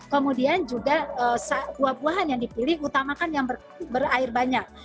kemudian juga buah buahan yang dipilih utamakan yang berair banyak